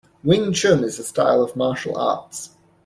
Wing Chun is a style of martial arts.